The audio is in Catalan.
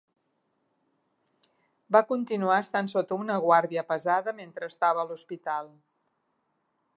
Va continuar estant sota una guàrdia pesada mentre estava a l'hospital.